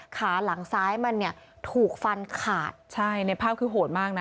ขาหลังซ้ายมันเนี่ยถูกฟันขาดใช่ในภาพคือโหดมากนะ